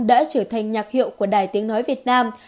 đã trở thành nhạc hiệu của đài tiếng nói việt nam